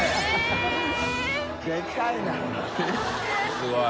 すごい。